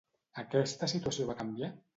Aquesta situació va canviar?